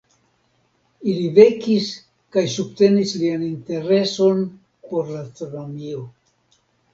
Ili vekis kaj subtenis lian intereson por la astronomio.